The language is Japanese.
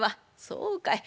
そうかい。